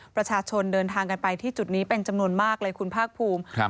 ประชาชนเดินทางกันไปที่จุดนี้เป็นจำนวนมากเลยคุณภาคภูมิครับ